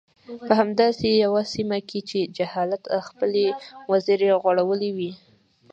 په همداسې يوه سيمه کې چې جهالت خپلې وزرې غوړولي دي.